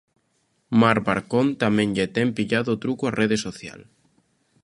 Mar Barcón tamén lle ten pillado o truco á rede social.